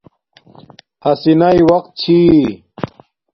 ہسی ناݵ وقت چھی